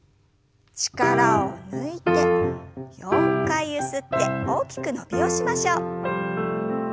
力を抜いて４回ゆすって大きく伸びをしましょう。